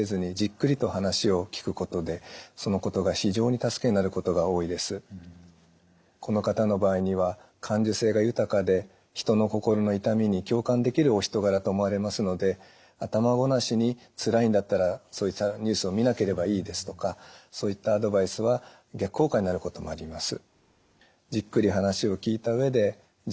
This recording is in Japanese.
専門家でなくても身近で信頼のできる人に話をしこの方の場合には感受性が豊かで人の心の痛みに共感できるお人柄と思われますので頭ごなしに「つらいんだったらそういったニュースを見なければいい」ですとかそういったアドバイスは逆効果になることもあります。